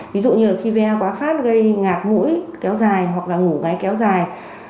ví dụ như khi va quá phát gây ngạt mũi kéo dài hoặc là ngủ ngáy kéo dài